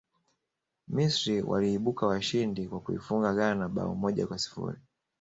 misri waliibuka washindi kwa kuifunga ghana bao moja kwa sifuri